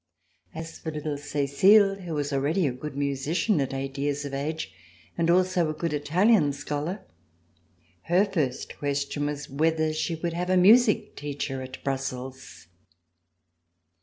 As for little Cecile, who was already a good musician, at eight years of age, and also a good Italian scholar, her first question was whether she would have a music teacher at Brussels.